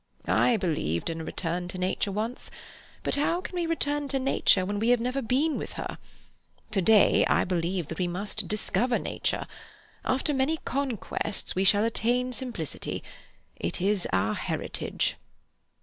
"I believed in a return to Nature once. But how can we return to Nature when we have never been with her? To day, I believe that we must discover Nature. After many conquests we shall attain simplicity. It is our heritage."